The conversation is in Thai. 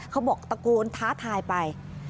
เขาบอกตะโกนท้าทายไป